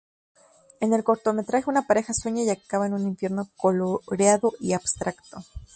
En el cortometraje una pareja sueña y acaba en un infierno coloreado y abstracto.